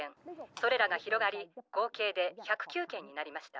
それらが広がり合計で１０９けんになりました。